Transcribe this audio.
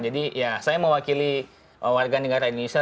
jadi ya saya mewakili warga negara indonesia